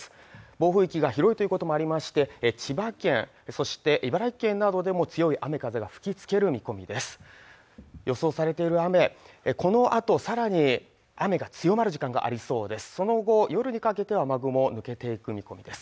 暴風域が広いということもありまして千葉県そして茨城県などでも強い雨風が吹きつける見込みです